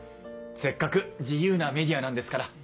せっかく自由なメディアなんですから。